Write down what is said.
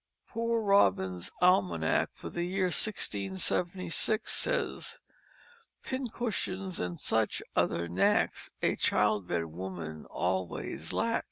Poor Robin's Almanack for the year 1676 says: "Pincushions and such other knacks A childbed woman always lacks."